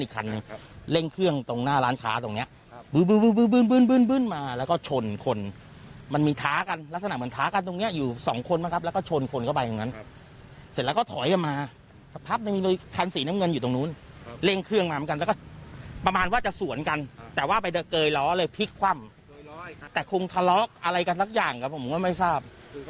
แต่ว่าไปเกยร้อเลยพลิกคว่ำแต่คงทะเลาะอะไรกันหลักอย่างผมก็ไม่ทราบ